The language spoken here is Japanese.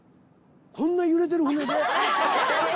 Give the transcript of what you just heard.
こんな揺れてる船で？